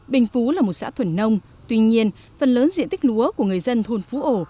bình phú là một xã thuần nông tuy nhiên phần lớn diện tích lúa của người dân thôn phú ổ